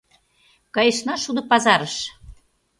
Кайышна шудо пазарыш.